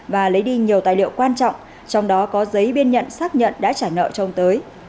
và lấy đi nhiều tài liệu quan trọng trong đó có giấy biên nhận xác nhận đã trả nợ cho ông tới